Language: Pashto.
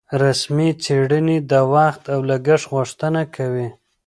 رسمي څېړنې د وخت او لګښت غوښتنه کوي.